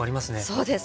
そうです。